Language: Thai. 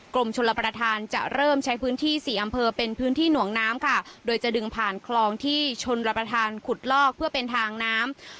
กรมชนรับประทานจะเริ่มใช้พื้นที่สี่อำเภอเป็นพื้นที่หน่วงน้ำค่ะโดยจะดึงผ่านคลองที่ชนรับประทานขุดลอกเพื่อเป็นทางน้ำ